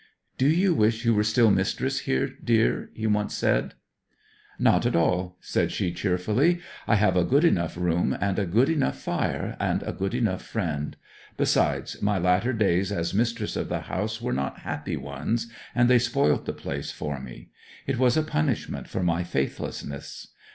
'Do you wish you were still mistress here, dear?' he once said. 'Not at all,' said she cheerfully. 'I have a good enough room, and a good enough fire, and a good enough friend. Besides, my latter days as mistress of the house were not happy ones, and they spoilt the place for me. It was a punishment for my faithlessness.